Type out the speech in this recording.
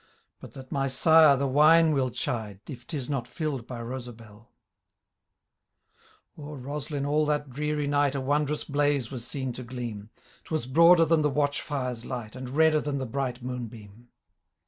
But that my sire the wine will chide,. If tis not fiU'd by RoeabeUe."— O^er Roslin all that dreary night, A wondrous blaze was seen to gleam ; Twas broader than the watch fires light. And redder than the bright moon beom.